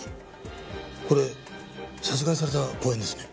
これ殺害された公園ですね。